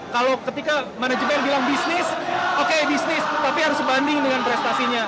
kalau ketika manajemen bilang bisnis oke bisnis tapi harus sebanding dengan prestasinya